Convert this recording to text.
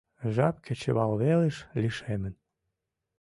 Жап кечывалвелыш лишемын.